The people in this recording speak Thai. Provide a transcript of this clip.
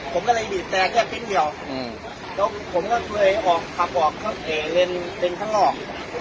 ผมก็เลยบีบแสงแค่พิ่งเดียวอืมแล้วผมก็คือเลยออกขับออกข้างเอกเล็นเล็นข้างนอก